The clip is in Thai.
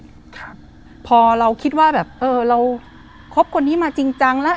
ครับพอเราคิดว่าแบบเออเราคบคนนี้มาจริงจังแล้ว